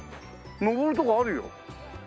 上るとこあるよ。